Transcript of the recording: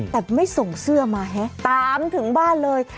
แต่ไม่ส่งเสื้อมาฮะตามถึงบ้านเลย